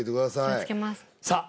気をつけますさあ